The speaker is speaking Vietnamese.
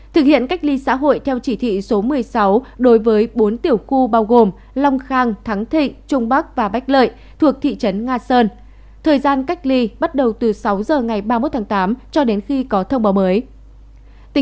thực hiện cách ly xã hội theo chỉ thị số một mươi sáu đối với bốn tiểu khu bao gồm long khang thắng thịnh trung bắc và bách lợi thuộc thị trấn nga sơn thời gian cách ly bắt đầu từ sáu h ngày ba mươi một tháng tám cho đến khi có thông báo mới